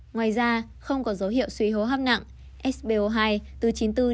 ngoài ra không có dấu hiệu suy hô hấp nặng sbo hai từ chín mươi bốn chín mươi sáu